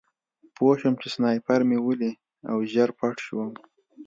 پوه شوم چې سنایپر مې ولي او ژر پټ شوم